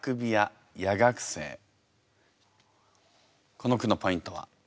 この句のポイントは？